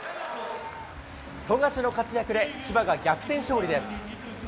富樫の活躍で、千葉が逆転勝利です。